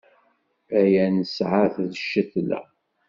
Aya nesɛa-t d ccetla.